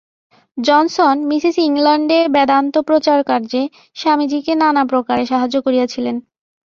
Johnson, Mrs ইংলণ্ডে বেদান্ত-প্রচারকার্যে স্বামীজীকে নানাপ্রকারে সাহায্য করিয়াছিলেন।